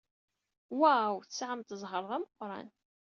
Waw! Tesɛamt zzheṛ d ameqran.